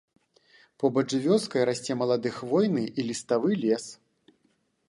Побач з вёскай расце малады хвойны і ліставы лес.